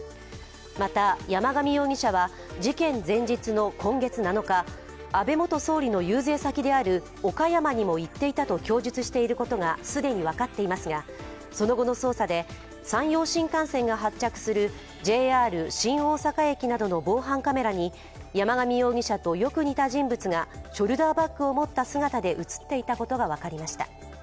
また、山上容疑者は事件前日の今月７日、安倍元総理の遊説先である岡山にも行っていたと供述していることが既に分かっていますが、その後の捜査で山陽新幹線が発着するＪＲ新大阪駅などの防犯カメラに、山上容疑者とよく似た人物がショルダーバッグを持った姿で映っていたことが分かりました。